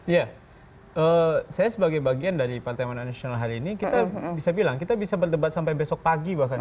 iya saya sebagai bagian dari pan hari ini kita bisa berdebat sampai besok pagi bahkan